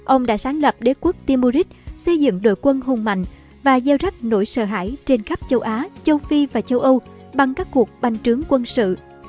ông đã sáng lập đế quốc timoris xây dựng đội quân hùng mạnh và gieo rắc nỗi sợ hãi trên khắp châu á châu phi và châu âu bằng các cuộc bành trướng quân sự